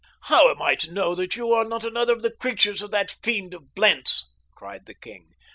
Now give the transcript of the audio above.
"How am I to know that you are not another of the creatures of that fiend of Blentz?" cried the king.